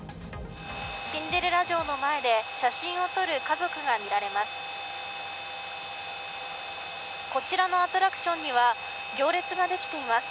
シンデレラ城の前で写真を撮る家族が見られます。